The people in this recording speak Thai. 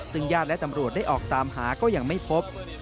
ซึ่งญาติและตำรวจได้ออกตามหาก็ยังไม่พบ